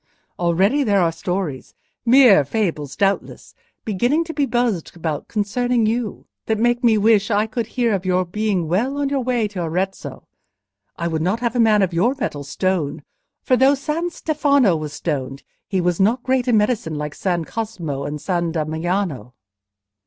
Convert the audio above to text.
Already there are stories—mere fables doubtless—beginning to be buzzed about concerning you, that make me wish I could hear of your being well on your way to Arezzo. I would not have a man of your metal stoned, for though San Stefano was stoned, he was not great in medicine like San Cosmo and San Damiano..."